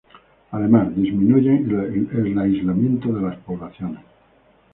Además, disminuyen el aislamiento de las poblaciones.